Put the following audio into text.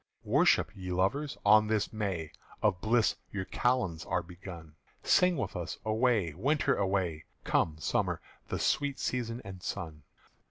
"_Worship, ye lovers, on this May: Of bliss your kalends are begun: Sing with us, Away, Winter, away! Come, Summer, the sweet season and sun!